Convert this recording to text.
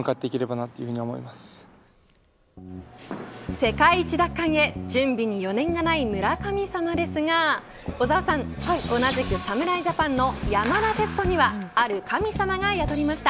世界一奪還へ準備に余念がない村神様ですが小澤さん、同じく侍ジャパンの山田哲人にはある神様が宿りました。